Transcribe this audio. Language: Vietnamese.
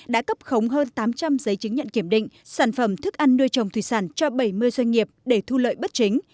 đã cấp khống hơn tám trăm linh giấy chứng nhận kiểm định sản phẩm thức ăn nuôi trồng thủy sản cho bảy mươi doanh nghiệp để thu lợi bất chính